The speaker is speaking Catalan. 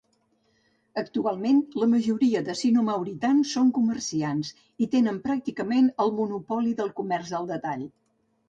Actualment, la majoria de sinomauritans són comerciants i tenen pràcticament el monopoli del comerç al detall.